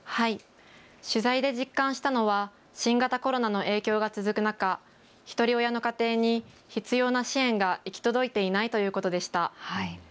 取材で実感したのは新型コロナの影響が続く中、ひとり親の家庭に必要な支援が行き届いていないということでした。